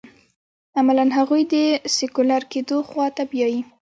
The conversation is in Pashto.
عملاً هغوی د سیکولر کېدو خوا ته بیايي.